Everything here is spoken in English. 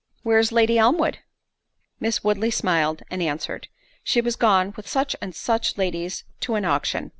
where's Lady Elmwood?" Miss Woodley smiled, and answered—She was gone with such and such ladies to an auction.